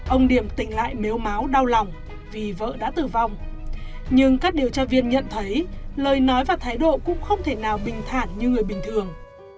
ông điểm tỉnh lại mếu máo đau lòng vì vợ đã tử vong nhưng các điều tra viên nhận thấy lời nói và thái độ cũng không thể nào bình thản như người bình thường